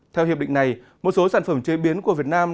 theo hiệp định này một số sản phẩm chế biến của việt nam